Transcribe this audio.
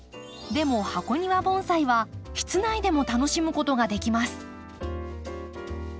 でも箱庭盆栽は室内でも楽しむことができます。